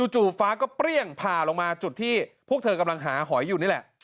ฟ้าก็เปรี้ยงผ่าลงมาจุดที่พวกเธอกำลังหาหอยอยู่นี่แหละ